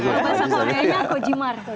bahasa koreanya kojimar